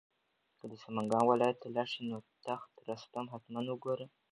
که د سمنګان ولایت ته لاړ شې نو تخت رستم حتماً وګوره.